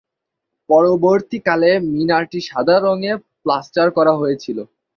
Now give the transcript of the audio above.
পরবর্তীকালে, মিনারটি সাদা রঙে প্লাস্টার করা হয়েছিল।